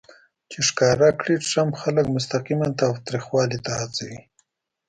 چې ښکاره کړي ټرمپ خلک مستقیماً تاوتریخوالي ته هڅوي